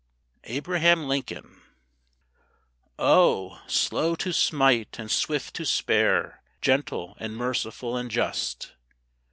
ABRAHAM LINCOLN Oh, slow to smite and swift to spare, Gentle and merciful and just!